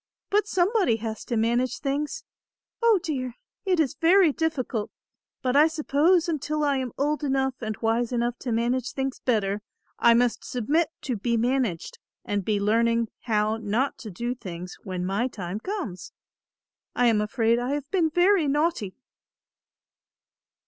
But somebody has to manage things. Oh, dear, it is very difficult, but I suppose until I am old enough and wise enough to manage things better, I must submit to be managed and be learning how not to do things when my time comes. I am afraid I have been very naughty."